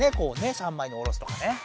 ３まいにおろすとかね。